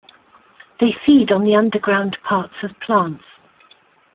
They feed on the underground parts of plants.